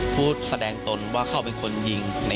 รถแสงทางหน้า